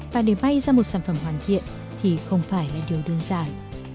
và để may ra một sản phẩm hoàn thiện thì không phải là điều đơn giản